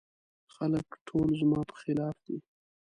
خلګ ټول زما په خلاف دي.